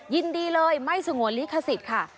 ยินดีเลยไม่สงวนลิขสิทธิ์ค่ะ